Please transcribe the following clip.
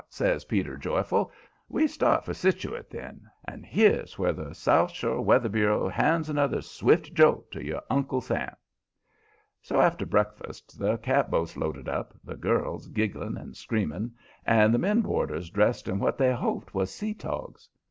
says Peter, joyful. "We start for Setuckit, then. And here's where the South Shore Weather Bureau hands another swift jolt to your Uncle Sam." So, after breakfast, the catboats loaded up, the girls giggling and screaming, and the men boarders dressed in what they hoped was sea togs.